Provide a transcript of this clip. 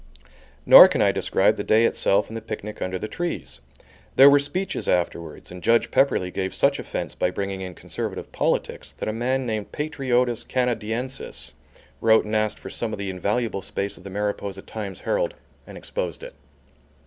Nor can I describe the day itself and the picnic under the trees. 'There were speeches afterwards, and Judge Pepperleigh gave such offence by bringing in Conservative politics that a man called Patriotus Canadiensis wrote and asked for some of the invaluable space of the Mariposa Times Herald and exposed it.